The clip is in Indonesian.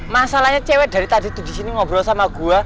masalahnya cewek dari tadi tuh disini ngobrol sama gue